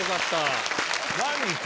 何？